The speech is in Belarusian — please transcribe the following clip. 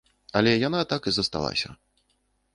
Але яна так і засталася.